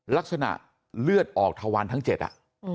ลักษณะเลือดออกทวันทั้งเจ็ดอ่ะ